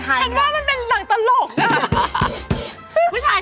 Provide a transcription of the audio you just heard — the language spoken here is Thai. ให้คุณร่วมมาช่วยฉัน